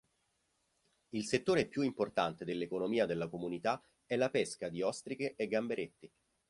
Il settore più importante dell'economia della comunità è la pesca di ostriche e gamberetti.